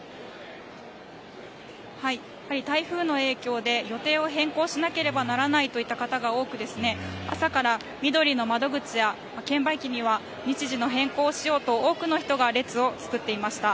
台風の影響で予定を変更しなければならないといった方が多く朝からみどりの窓口や券売機には日時の変更をしようと多くの人が列を作っていました。